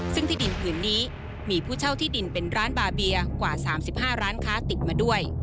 ซึ่งที่ดินผืนนี้มีผู้เช่าที่ดินเป็นร้านบาเบียกว่า๓๕ร้านค้าติดมาด้วย